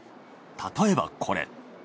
例えばこれ。